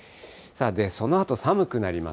そのあと寒くなります。